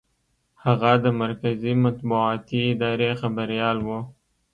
هغه د مرکزي مطبوعاتي ادارې خبریال و.